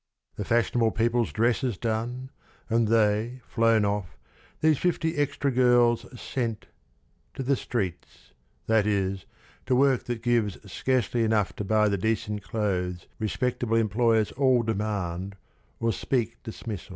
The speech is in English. The fashionable people's dresses done, And they flown off, these fifty extra girls Sent—to the streets: that is, to work that gives Scarcely enough to buy the decent clothes Respectable employers all demand Or speak dismissal.